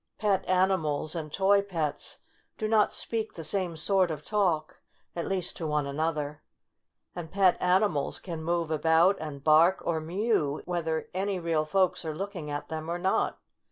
Pet animals and toy pets do not speak the same sort of talk, at least to one another. And pet animals can move about and bark or mew whether any real folks are looking at them or not.